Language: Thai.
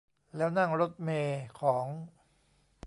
แล้วนั่งรถเมล์ของ